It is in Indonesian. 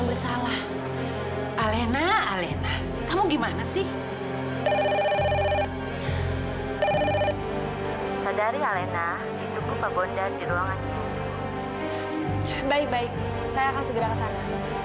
baik baik saya akan segera ke sana